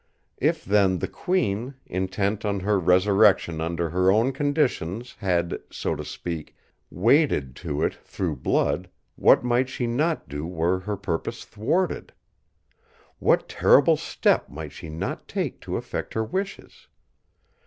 If then the Queen, intent on her resurrection under her own conditions had, so to speak, waded to it through blood, what might she not do were her purpose thwarted? What terrible step might she not take to effect her wishes?